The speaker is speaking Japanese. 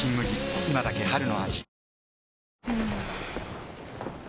今だけ春の味ん。